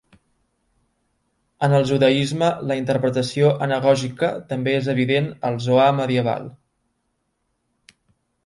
En el judaisme, la interpretació anagògica també és evident al Zohar medieval.